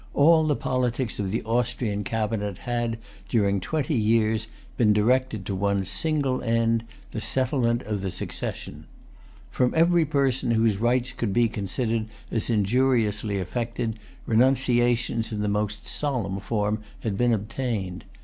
All the politics of the Austrian cabinet had, during twenty years, been directed to one single end, the settlement of the succession. From every person whose rights could be considered as injuriously affected, renunciations in the most solemn form had been obtained.